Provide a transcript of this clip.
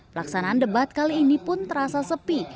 pelaksanaan debat kali ini pun terasa sepi